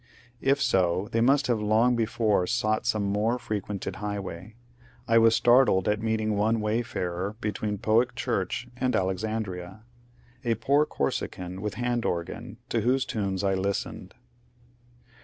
If so they must have long before sought some more frequented highway. I was startled at meeting one wayfarer between Pohick church and Alexandria, — a poor Corsican with hand organ, to whose tunes I listened.